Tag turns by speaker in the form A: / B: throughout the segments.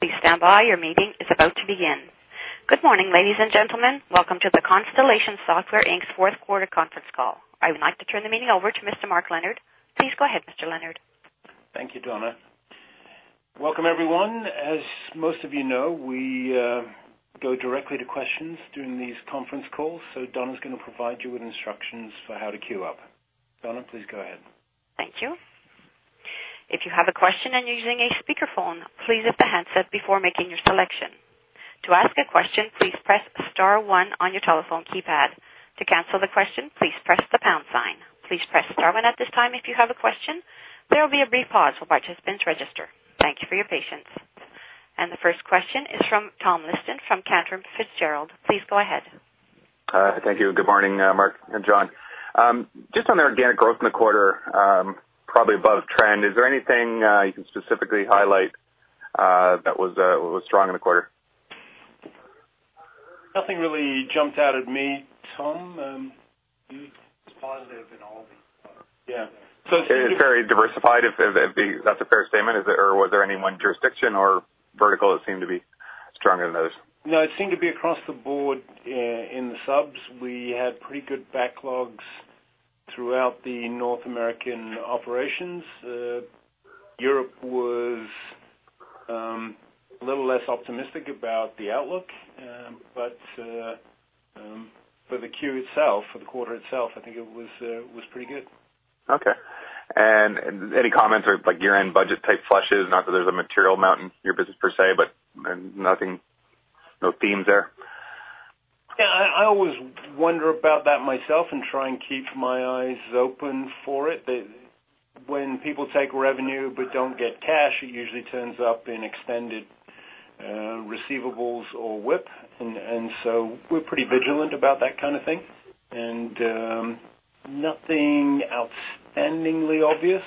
A: Please stand by. Your meeting is about to begin. Good morning, ladies and gentlemen. Welcome to the Constellation Software Inc.'s fourth quarter conference call. I would like to turn the meeting over to Mr. Mark Leonard. Please go ahead, Mr. Leonard.
B: Thank you, Donna. Welcome, everyone. As most of you know, we go directly to questions during these conference calls, Donna's going to provide you with instructions for how to queue up. Donna, please go ahead.
A: Thank you. If you have a question and you're using a speakerphone, please lift the handset before making your selection. To ask a question, please press star one on your telephone keypad. To cancel the question, please press the pound sign. Please press star one at this time if you have a question. There will be a brief pause while participants register. Thank you for your patience. The first question is from Tom Liston from Canaccord Genuity. Please go ahead.
C: Hi. Thank you. Good morning, Mark and John. Just on the organic growth in the quarter, probably above trend, is there anything you can specifically highlight that was strong in the quarter?
B: Nothing really jumped out at me, Tom. It was positive in all the
C: Yeah. It's very diversified, if that's a fair statement, or was there any one jurisdiction or vertical that seemed to be stronger than those?
B: No, it seemed to be across the board in the subs. We had pretty good backlogs throughout the North American operations. Europe was a little less optimistic about the outlook, but for the Q itself, for the quarter itself, I think it was pretty good.
C: Okay. Any comments or year-end budget type flushes? Not that there's a material amount in your business per se, but nothing, no themes there?
B: Yeah, I always wonder about that myself and try and keep my eyes open for it. That when people take revenue but don't get cash, it usually turns up in extended receivables or WIP. We're pretty vigilant about that kind of thing, and nothing outstandingly obvious.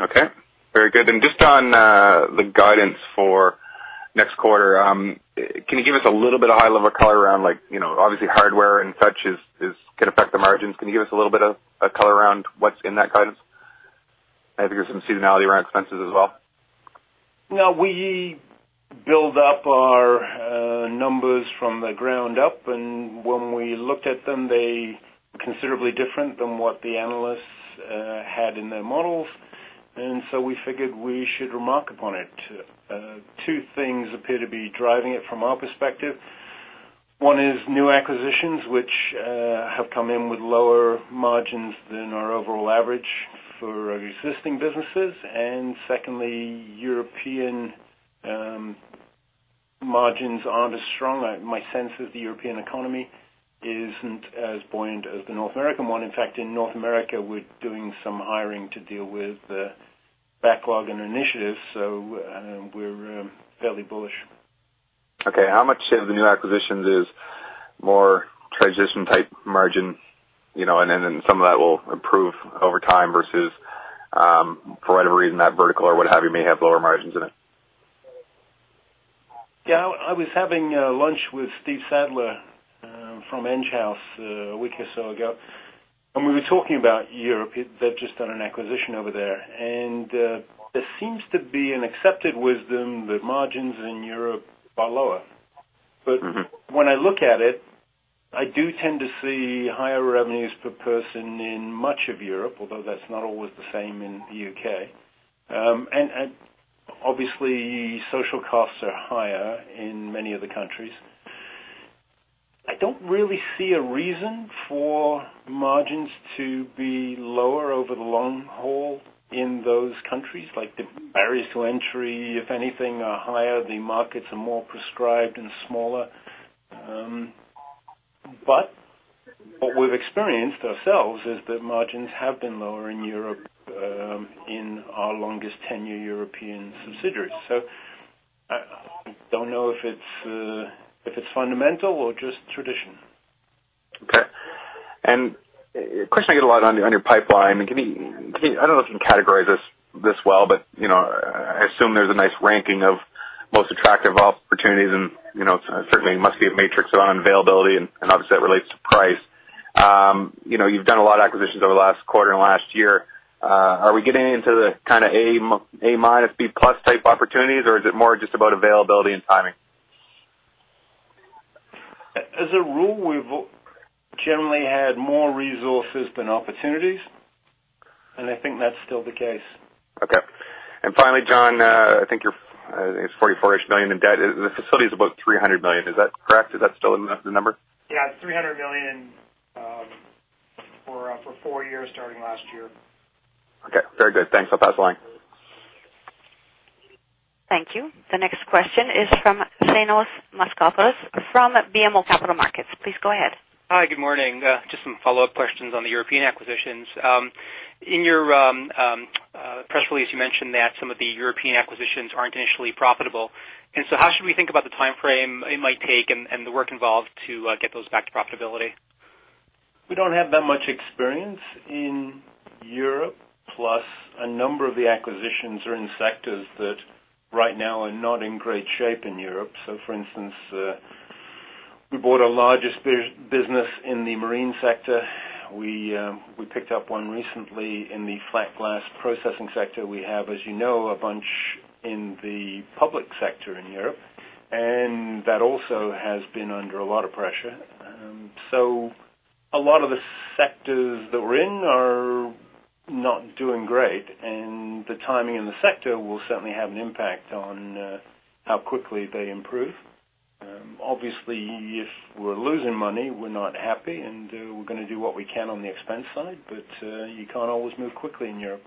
C: Okay. Very good. Just on the guidance for next quarter, can you give us a little bit of high-level color around, obviously, hardware and such can affect the margins. Can you give us a little bit of color around what's in that guidance? Maybe there's some seasonality around expenses as well.
B: We build up our numbers from the ground up, and when we looked at them, they were considerably different than what the analysts had in their models. We figured we should remark upon it. Two things appear to be driving it from our perspective. One is new acquisitions, which have come in with lower margins than our overall average for existing businesses. Secondly, European margins aren't as strong. My sense is the European economy isn't as buoyant as the North American one. In fact, in North America, we're doing some hiring to deal with the backlog and initiatives, so we're fairly bullish.
C: Okay, how much of the new acquisitions is more transition-type margin, then some of that will improve over time versus, for whatever reason, that vertical or what have you may have lower margins in it?
B: Yeah. I was having lunch with Stephen Sadler from Enghouse a week or so ago. We were talking about Europe. They've just done an acquisition over there. There seems to be an accepted wisdom that margins in Europe are lower. When I look at it, I do tend to see higher revenues per person in much of Europe, although that's not always the same in the U.K. Obviously, social costs are higher in many of the countries. I don't really see a reason for margins to be lower over the long haul in those countries. Like, the barriers to entry, if anything, are higher. The markets are more prescribed and smaller. What we've experienced ourselves is that margins have been lower in Europe, in our longest tenure European subsidiaries. I don't know if it's fundamental or just tradition.
C: Okay. A question I get a lot on your pipeline, I don't know if you can categorize this well, I assume there's a nice ranking of most attractive opportunities and certainly must be a matrix around availability. Obviously, that relates to price. You've done a lot of acquisitions over the last quarter and last year. Are we getting into the kind of A minus, B plus type opportunities, or is it more just about availability and timing?
B: As a rule, we've generally had more resources than opportunities. I think that's still the case.
C: Okay. Finally, John, I think you are, I think it is 44-ish million in debt. The facility is about 300 million, is that correct? Is that still the number?
D: Yeah, 300 million for four years starting last year.
C: Okay. Very good. Thanks. I will pass the line.
A: Thank you. The next question is from Thanos Moschopoulos from BMO Capital Markets. Please go ahead.
E: Hi. Good morning. Just some follow-up questions on the European acquisitions. In your press release, you mentioned that some of the European acquisitions aren't initially profitable. How should we think about the timeframe it might take and the work involved to get those back to profitability?
B: We don't have that much experience in Europe, plus a number of the acquisitions are in sectors that right now are not in great shape in Europe. For instance, we bought our largest business in the marine sector. We picked up one recently in the flat glass processing sector. We have, as you know, a bunch in the public sector in Europe, and that also has been under a lot of pressure. A lot of the sectors that we're in are not doing great, and the timing in the sector will certainly have an impact on how quickly they improve. Obviously, if we're losing money, we're not happy, and we're going to do what we can on the expense side, but you can't always move quickly in Europe.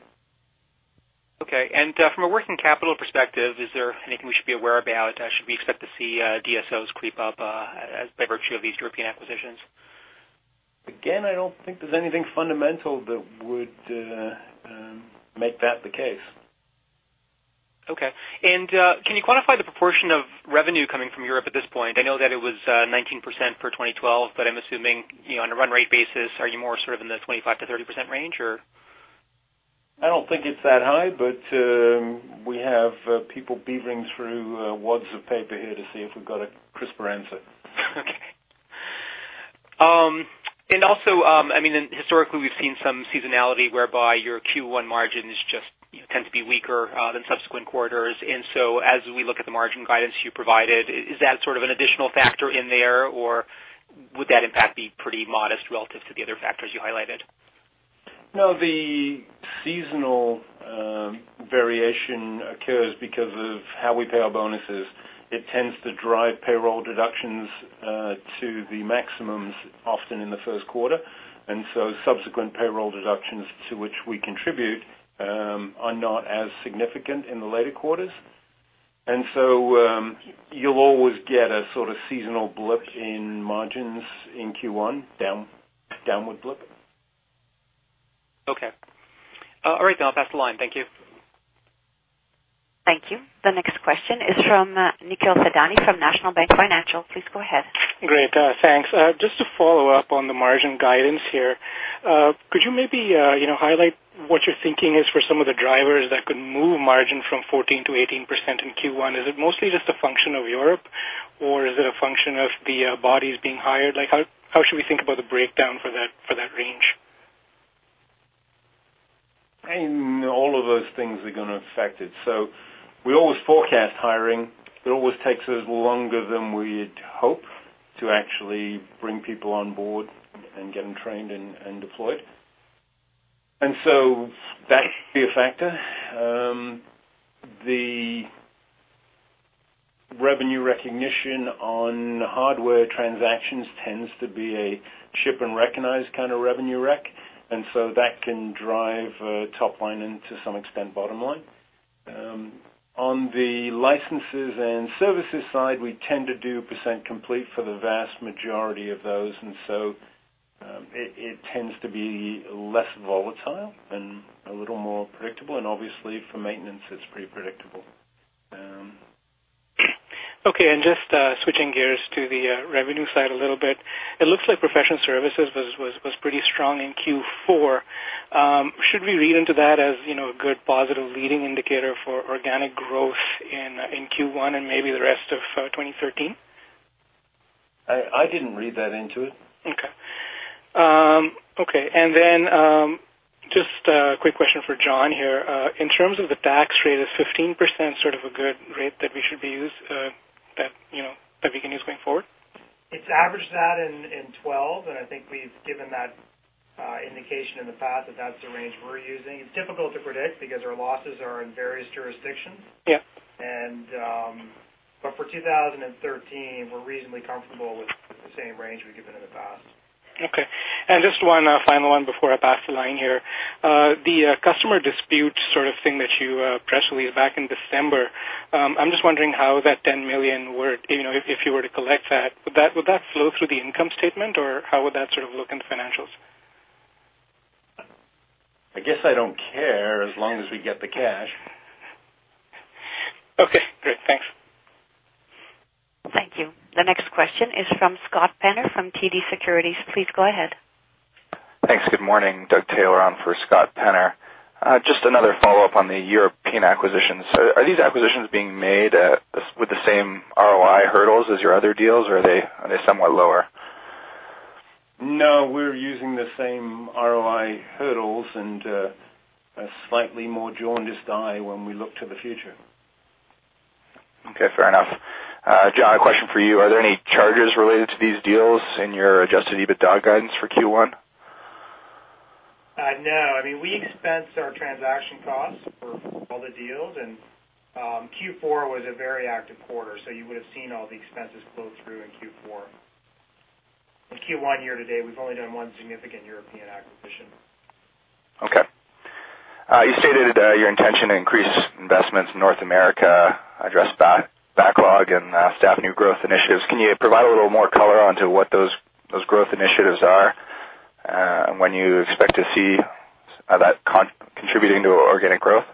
E: Okay. From a working capital perspective, is there anything we should be aware about? Should we expect to see DSOs creep up by virtue of these European acquisitions?
B: Again, I don't think there's anything fundamental that would make that the case.
E: Okay. Can you quantify the proportion of revenue coming from Europe at this point? I know that it was 19% for 2012, but I'm assuming, on a run rate basis, are you more sort of in the 25%-30% range, or?
B: I don't think it's that high, we have people beavering through wads of paper here to see if we've got a crisper answer.
E: Okay. Also, historically, we've seen some seasonality whereby your Q1 margins just tend to be weaker than subsequent quarters. As we look at the margin guidance you provided, is that sort of an additional factor in there, or would that impact be pretty modest relative to the other factors you highlighted?
B: No, the seasonal variation occurs because of how we pay our bonuses. It tends to drive payroll deductions to the maximums, often in the first quarter, and so subsequent payroll deductions to which we contribute are not as significant in the later quarters. You'll always get a sort of seasonal blip in margins in Q1, downward blip.
E: Okay. All right. I'll pass the line. Thank you.
A: Thank you. The next question is from Nikhil Thadani from National Bank Financial. Please go ahead.
F: Great. Thanks. Just to follow up on the margin guidance here. Could you maybe highlight what your thinking is for some of the drivers that could move margin from 14% to 18% in Q1? Is it mostly just a function of Europe, or is it a function of the bodies being hired? How should we think about the breakdown for that range?
B: All of those things are going to affect it. We always forecast hiring. It always takes us longer than we'd hope to actually bring people on board and get them trained and deployed. That could be a factor. The revenue recognition on hardware transactions tends to be a ship-and-recognize kind of revenue rec, and so that can drive top line and to some extent, bottom line. On the licenses and services side, we tend to do % complete for the vast majority of those, and so it tends to be less volatile and a little more predictable. Obviously for maintenance, it's pretty predictable.
F: Okay, just switching gears to the revenue side a little bit. It looks like professional services was pretty strong in Q4. Should we read into that as a good positive leading indicator for organic growth in Q1 and maybe the rest of 2013?
B: I didn't read that into it.
F: Okay. Then just a quick question for John here. In terms of the tax rate, is 15% sort of a good rate that we can use going forward?
D: It's averaged that in 2012, I think we've given that indication in the past that that's the range we're using. It's difficult to predict because our losses are in various jurisdictions.
F: Yep.
D: For 2013, we're reasonably comfortable with the same range we've given in the past.
F: Okay. Just one final one before I pass the line here. The customer dispute sort of thing that you in December. I'm just wondering how that 10 million, if you were to collect that, would that flow through the income statement, or how would that sort of look in the financials?
B: I guess I don't care as long as we get the cash.
F: Okay, great. Thanks.
A: Thank you. The next question is from Scott Penner from TD Securities. Please go ahead.
G: Thanks. Good morning. Doug Taylor on for Scott Penner. Another follow-up on the European acquisitions. Are these acquisitions being made with the same ROI hurdles as your other deals, or are they somewhat lower?
B: We're using the same ROI hurdles and a slightly more jaundiced eye when we look to the future.
G: Fair enough. John, a question for you. Are there any charges related to these deals in your adjusted EBITDA guidance for Q1?
D: No. We expensed our transaction costs for all the deals. Q4 was a very active quarter, you would've seen all the expenses flow through in Q4. In Q1 year-to-date, we've only done one significant European acquisition.
G: Okay. You stated your intention to increase investments in North America, address backlog, and staff new growth initiatives. Can you provide a little more color onto what those growth initiatives are? When you expect to see that contributing to organic growth?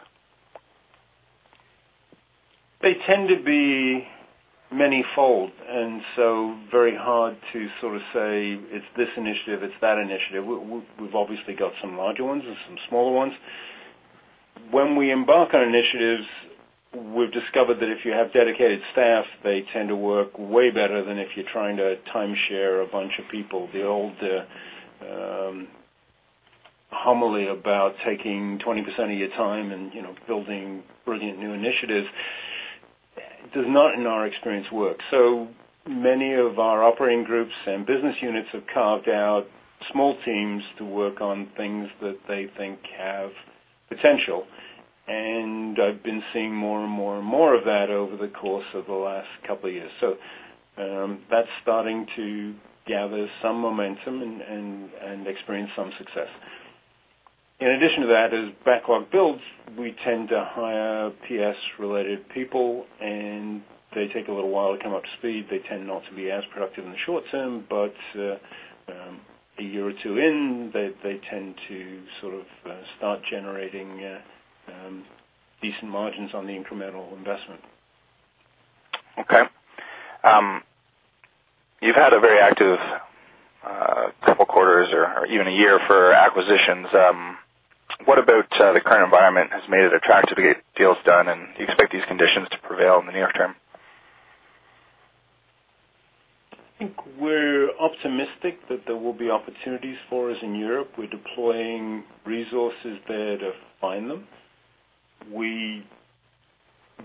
B: They tend to be manyfold, very hard to sort of say it's this initiative, it's that initiative. We've obviously got some larger ones and some smaller ones. When we embark on initiatives, we've discovered that if you have dedicated staff, they tend to work way better than if you're trying to timeshare a bunch of people. The old homily about taking 20% of your time and building brilliant new initiatives does not, in our experience, work. Many of our operating groups and business units have carved out small teams to work on things that they think have potential. I've been seeing more and more of that over the course of the last couple of years. That's starting to gather some momentum and experience some success. In addition to that, as backlog builds, we tend to hire PS-related people. They take a little while to come up to speed. They tend not to be as productive in the short term, a year or two in, they tend to sort of start generating decent margins on the incremental investment.
G: Okay. You've had a very active couple quarters or even a year for acquisitions. What about the current environment has made it attractive to get deals done, and do you expect these conditions to prevail in the near term?
B: I think we're optimistic that there will be opportunities for us in Europe. We're deploying resources there to find them. We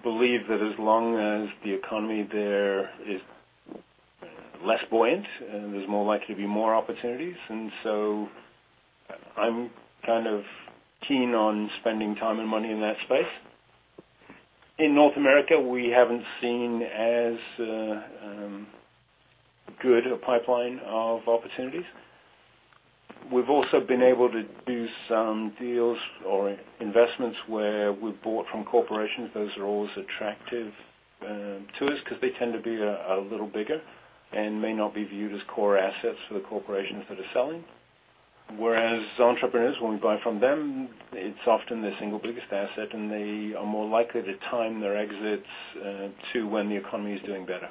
B: believe that as long as the economy there is less buoyant, there's more likely to be more opportunities. So I'm kind of keen on spending time and money in that space. In North America, we haven't seen as good a pipeline of opportunities. We've also been able to do some deals or investments where we've bought from corporations. Those are always attractive to us because they tend to be a little bigger and may not be viewed as core assets for the corporations that are selling. Whereas entrepreneurs, when we buy from them, it's often their single biggest asset, and they are more likely to time their exits to when the economy is doing better.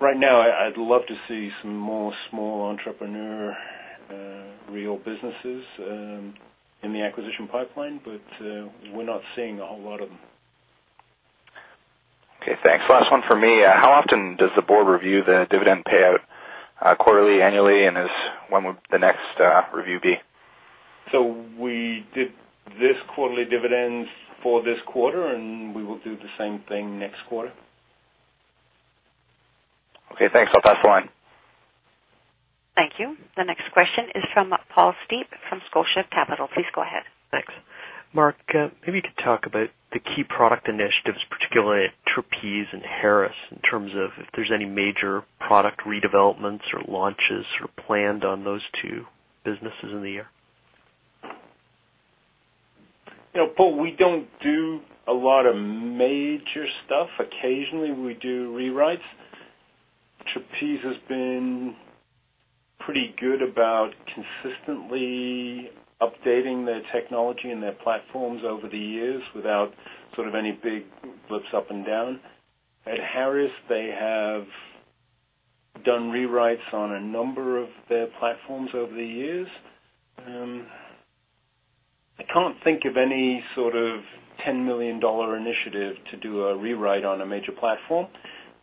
B: Right now, I'd love to see some more small entrepreneur real businesses in the acquisition pipeline, but we're not seeing a whole lot of them.
G: Okay, thanks. Last one from me. How often does the board review the dividend payout? Quarterly, annually, and when would the next review be?
B: We did this quarterly dividend for this quarter, and we will do the same thing next quarter.
G: Okay, thanks. I'll pass the line.
A: Thank you. The next question is from Paul Steep from Scotia Capital. Please go ahead.
H: Thanks. Mark, maybe you could talk about the key product initiatives, particularly Trapeze and Harris, in terms of if there's any major product redevelopments or launches planned on those two businesses in the year.
B: Paul, we don't do a lot of major stuff. Occasionally, we do rewrites. Trapeze has been pretty good about consistently updating their technology and their platforms over the years without sort of any big blips up and down. At Harris, they have done rewrites on a number of their platforms over the years. I can't think of any sort of 10 million dollar initiative to do a rewrite on a major platform.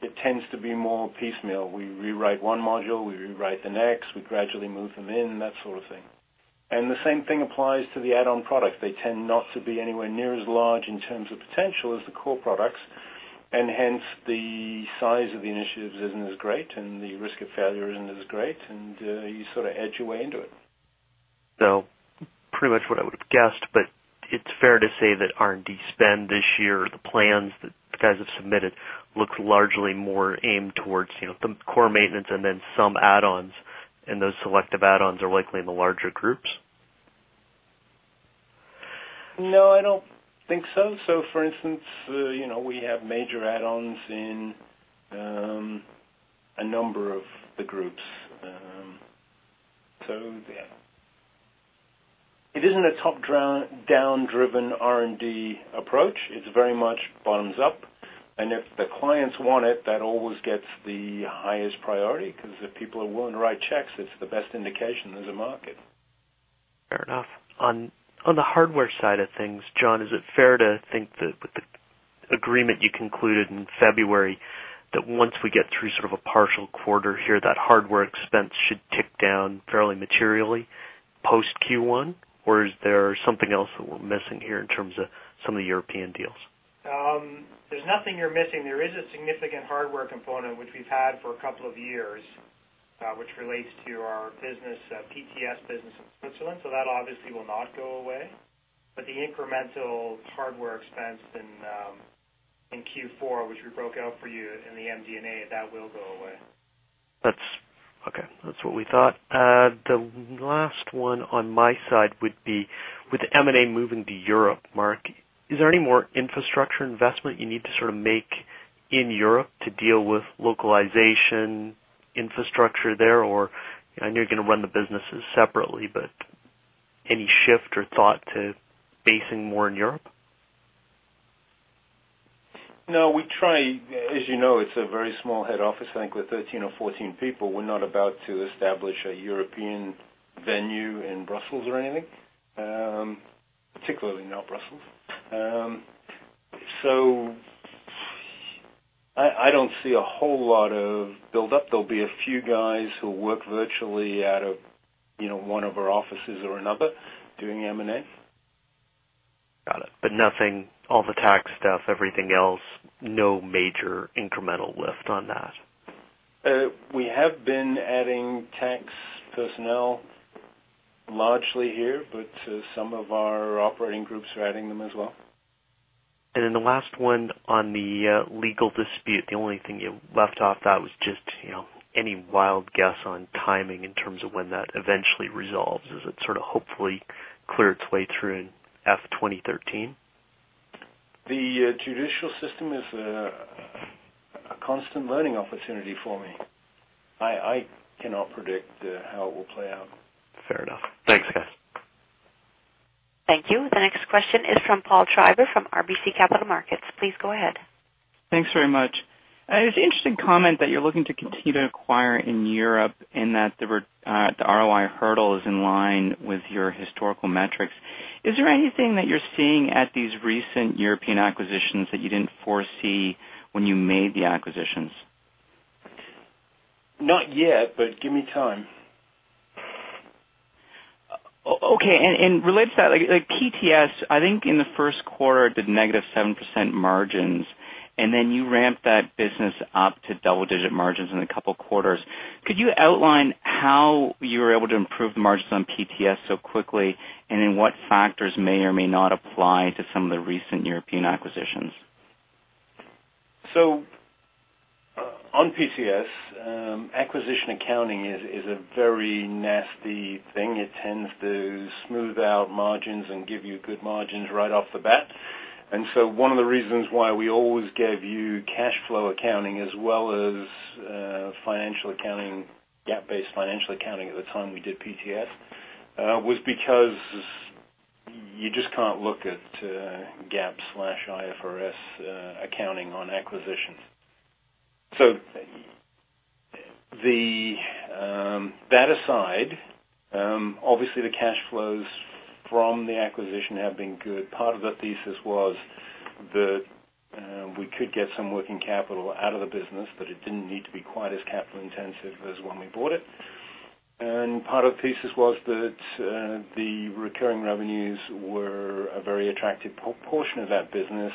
B: It tends to be more piecemeal. We rewrite one module, we rewrite the next, we gradually move them in, that sort of thing. The same thing applies to the add-on product. They tend not to be anywhere near as large in terms of potential as the core products, and hence the size of the initiatives isn't as great, and the risk of failure isn't as great, and you sort of edge your way into it.
H: Pretty much what I would have guessed, but it's fair to say that R&D spend this year, the plans that you guys have submitted, looks largely more aimed towards the core maintenance and then some add-ons, and those selective add-ons are likely in the larger groups?
B: No, I don't think so. For instance, we have major add-ons in a number of the groups. Yeah. It isn't a top-down driven R&D approach. It's very much bottoms up. If the clients want it, that always gets the highest priority because if people are willing to write checks, it's the best indication there's a market.
H: Fair enough. On the hardware side of things, John, is it fair to think that with the agreement you concluded in February, that once we get through sort of a partial quarter here, that hardware expense should tick down fairly materially post Q1? Is there something else that we're missing here in terms of some of the European deals?
D: There's nothing you're missing. There is a significant hardware component which we've had for a couple of years, which relates to our PTS business in Switzerland. That obviously will not go away. The incremental hardware expense in Q4, which we broke out for you in the MD&A, that will go away.
H: Okay. That's what we thought. The last one on my side would be, with the M&A moving to Europe, Mark, is there any more infrastructure investment you need to sort of make in Europe to deal with localization infrastructure there? I know you're going to run the businesses separately, but any shift or thought to basing more in Europe?
B: No, we try. As you know, it's a very small head office. I think we're 13 or 14 people. We're not about to establish a European venue in Brussels or anything. Particularly not Brussels. I don't see a whole lot of buildup. There'll be a few guys who work virtually out of one of our offices or another doing M&A.
H: Got it. Nothing, all the tax stuff, everything else, no major incremental lift on that.
B: We have been adding tax personnel largely here, but some of our operating groups are adding them as well.
H: The last one on the legal dispute, the only thing you left off that was just any wild guess on timing in terms of when that eventually resolves. Is it sort of hopefully clear its way through in FY 2013?
B: The judicial system is a constant learning opportunity for me. I cannot predict how it will play out.
H: Fair enough. Thanks, guys.
A: Thank you. The next question is from Paul Treiber from RBC Capital Markets. Please go ahead.
I: Thanks very much. It's an interesting comment that you're looking to continue to acquire in Europe, and that the ROI hurdle is in line with your historical metrics. Is there anything that you're seeing at these recent European acquisitions that you didn't foresee when you made the acquisitions?
B: Not yet, but give me time.
I: Okay. Related to that, like PTS, I think in the first quarter did negative 7% margins, and then you ramped that business up to double-digit margins in a couple of quarters. Could you outline how you were able to improve the margins on PTS so quickly? What factors may or may not apply to some of the recent European acquisitions?
B: On PC-Soft, acquisition accounting is a very nasty thing. It tends to smooth out margins and give you good margins right off the bat. One of the reasons why we always gave you cash flow accounting as well as financial accounting, GAAP-based financial accounting at the time we did PTS, was because you just can't look at GAAP/IFRS accounting on acquisitions. That aside, obviously the cash flows from the acquisition have been good. Part of the thesis was that we could get some working capital out of the business, but it didn't need to be quite as capital-intensive as when we bought it. Part of the thesis was that the recurring revenues were a very attractive portion of that business,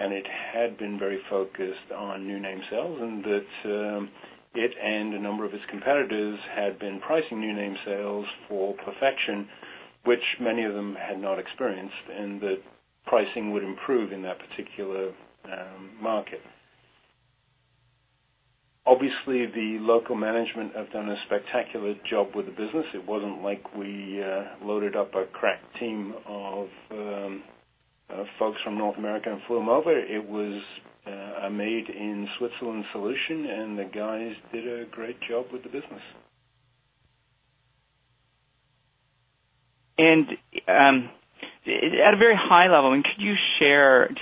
B: and it had been very focused on new name sales, and that it and a number of its competitors had been pricing new name sales for perfection, which many of them had not experienced, and that pricing would improve in that particular market. Obviously, the local management have done a spectacular job with the business. It wasn't like we loaded up a crack team of folks from North America and flew them over. It was a made-in-Switzerland solution, and the guys did a great job with the business.
I: At a very high level, do you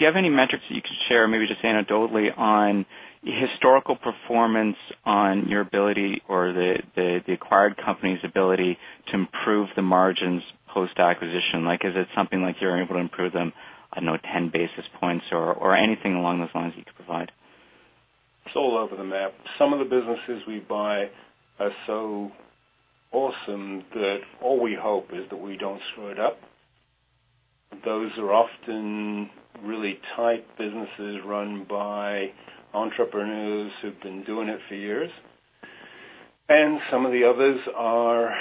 I: have any metrics that you could share, maybe just anecdotally, on historical performance on your ability or the acquired company's ability to improve the margins post-acquisition? Is it something like you're able to improve them, I don't know, 10 basis points or anything along those lines that you could provide?
B: It's all over the map. Some of the businesses we buy are so awesome that all we hope is that we don't screw it up. Those are often really tight businesses run by entrepreneurs who've been doing it for years. Some of the others are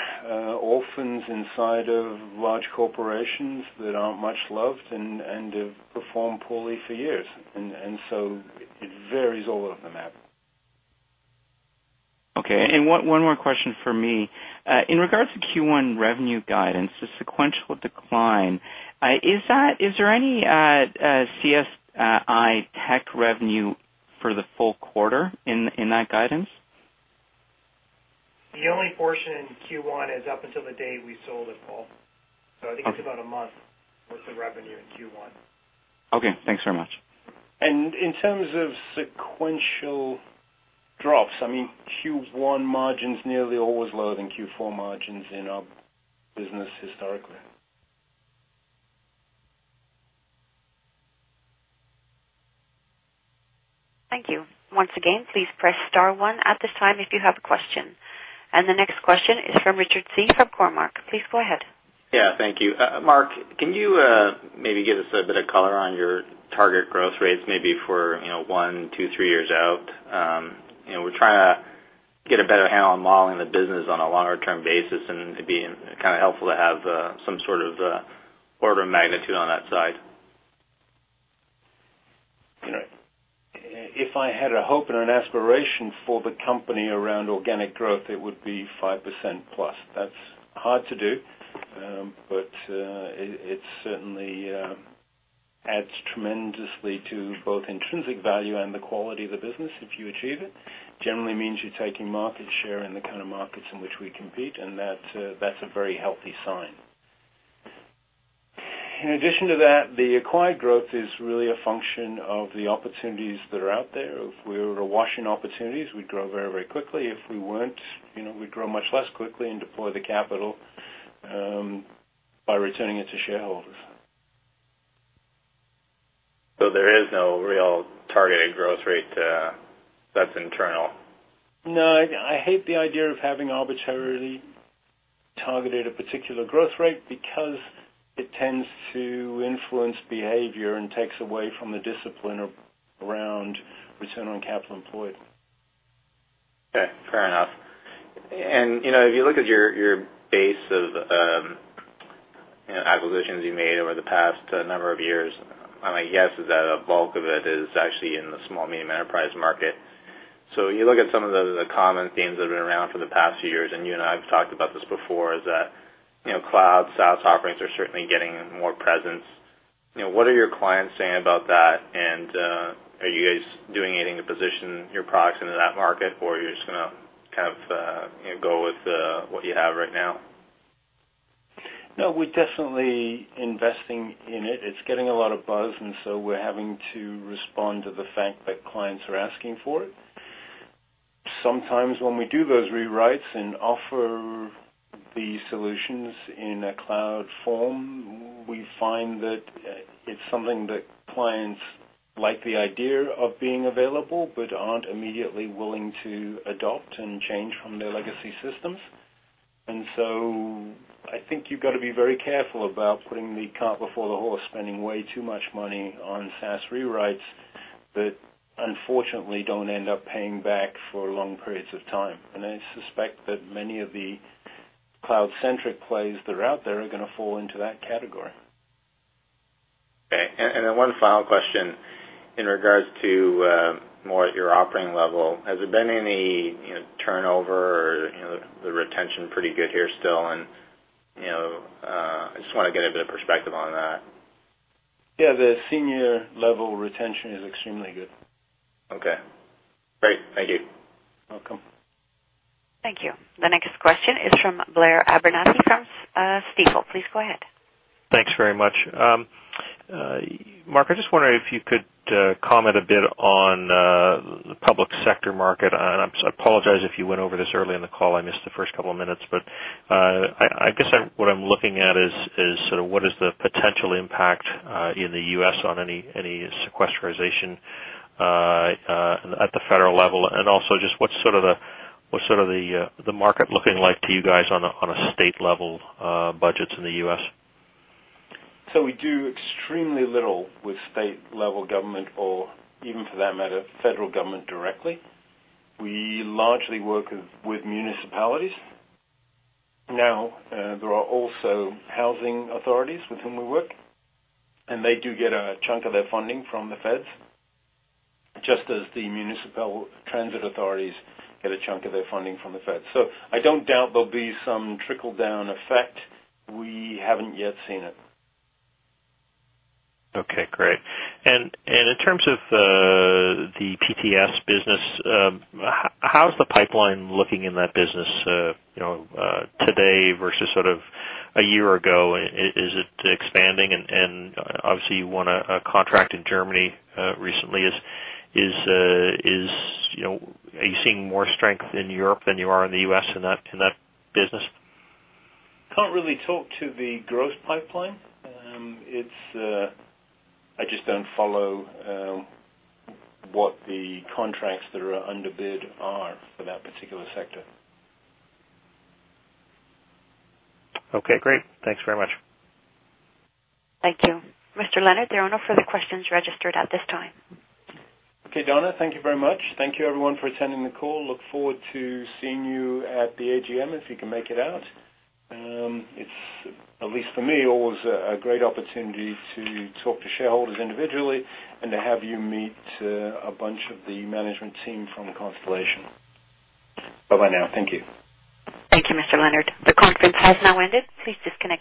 B: orphans inside of large corporations that aren't much loved and have performed poorly for years. It varies all over the map.
I: Okay. One more question from me. In regards to Q1 revenue guidance, the sequential decline, is there any CSI tech revenue for the full quarter in that guidance?
D: The only portion in Q1 is up until the day we sold it, Paul. I think it's about a month worth of revenue in Q1.
I: Okay, thanks very much.
B: In terms of sequential drops, Q1 margins nearly always lower than Q4 margins in our business historically.
A: Thank you. Once again, please press star one at this time if you have a question. The next question is from Richard Tse from Cormark. Please go ahead.
J: Yeah, thank you. Mark, can you maybe give us a bit of color on your target growth rates maybe for one, two, three years out? We're trying to get a better handle on modeling the business on a longer-term basis, it'd be kind of helpful to have some sort of order of magnitude on that side.
B: If I had a hope and an aspiration for the company around organic growth, it would be 5% plus. That's hard to do. It certainly adds tremendously to both intrinsic value and the quality of the business if you achieve it. Generally means you're taking market share in the kind of markets in which we compete, that's a very healthy sign. In addition to that, the acquired growth is really a function of the opportunities that are out there. If we were awash in opportunities, we'd grow very quickly. If we weren't, we'd grow much less quickly and deploy the capital by returning it to shareholders.
J: There is no real targeted growth rate that's internal?
B: No. I hate the idea of having arbitrarily targeted a particular growth rate because it tends to influence behavior and takes away from the discipline around return on capital employed.
J: Okay, fair enough. If you look at your base of acquisitions you made over the past number of years, my guess is that a bulk of it is actually in the small medium enterprise market. You look at some of the common themes that have been around for the past few years, and you and I have talked about this before, is that cloud SaaS offerings are certainly getting more presence. What are your clients saying about that? Are you guys doing anything to position your products into that market, or are you just going to kind of go with what you have right now?
B: No, we're definitely investing in it. It's getting a lot of buzz, we're having to respond to the fact that clients are asking for it. Sometimes when we do those rewrites and offer the solutions in a cloud form, we find that it's something that clients like the idea of being available but aren't immediately willing to adopt and change from their legacy systems. I think you've got to be very careful about putting the cart before the horse, spending way too much money on SaaS rewrites that unfortunately don't end up paying back for long periods of time. I suspect that many of the cloud-centric plays that are out there are going to fall into that category.
J: Okay. One final question in regards to more at your operating level. Has there been any turnover or is the retention pretty good here still? I just want to get a bit of perspective on that.
B: Yeah, the senior-level retention is extremely good.
J: Okay, great. Thank you.
B: Welcome.
A: Thank you. The next question is from Blair Abernethy from Stifel. Please go ahead.
K: Thanks very much. Mark, I just wonder if you could comment a bit on the public sector market. I apologize if you went over this early in the call. I missed the first couple of minutes. I guess what I'm looking at is sort of what is the potential impact in the U.S. on any sequestration at the federal level and also just what's sort of the market looking like to you guys on a state-level budgets in the U.S.?
B: We do extremely little with state-level government or even for that matter, federal government directly. We largely work with municipalities. There are also housing authorities with whom we work, and they do get a chunk of their funding from the feds, just as the municipal transit authorities get a chunk of their funding from the feds. I don't doubt there'll be some trickle-down effect. We haven't yet seen it.
K: Okay, great. In terms of the PTS business, how's the pipeline looking in that business today versus sort of a year ago? Is it expanding? Obviously, you won a contract in Germany recently. Are you seeing more strength in Europe than you are in the U.S. in that business?
B: Can't really talk to the growth pipeline. I just don't follow what the contracts that are under bid are for that particular sector.
K: Okay, great. Thanks very much.
A: Thank you. Mr. Leonard, there are no further questions registered at this time.
B: Okay, Donna. Thank you very much. Thank you everyone for attending the call. Look forward to seeing you at the AGM, if you can make it out. It's, at least for me, always a great opportunity to talk to shareholders individually and to have you meet a bunch of the management team from Constellation. Bye-bye now. Thank you.
A: Thank you, Mr. Leonard. The conference has now ended. Please disconnect.